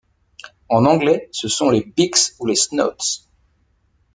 En anglais ce sont les Beaks ou les Snouts.